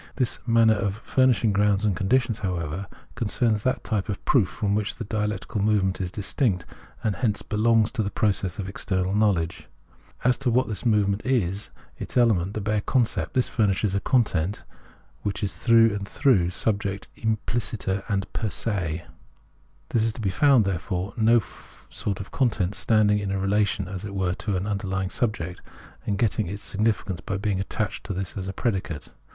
This manner of furnishing grounds and conditions, how ever, concerns that type of proof from which the dia lectical movement is distinct and hence belongs to the process of external knowledge. As to what this move ment is, its element is the bare concept ; this furnishes Preface 65 a content which is through and through subject im pUciter and per se. There is to be found, therefore, no sort of content standing in a relation, as it were, to an underlying subject, and getting its significance by being attached to this as a predicate.